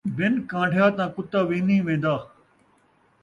بِن کان٘ڈھیا تاں کتا وی نہیں وین٘دا